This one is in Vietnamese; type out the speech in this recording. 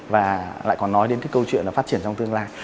và lại còn nói đến cái câu chuyện là phát triển trong tương lai